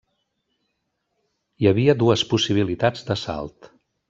Hi havia dues possibilitats d'assalt.